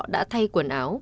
đã thay quần áo